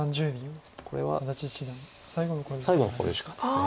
これは最後の考慮時間ですね。